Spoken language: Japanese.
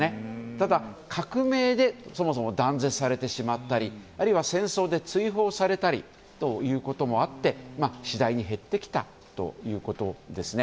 ただ、革命でそもそも断絶されてしまったりあるいは戦争で追放されたりということもあって次第に減ってきたということですね。